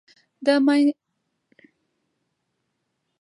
د میوند جګړه پرمخ روانه ده.